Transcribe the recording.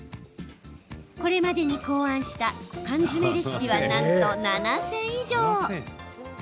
これまでに考案した缶詰レシピはなんと７０００以上。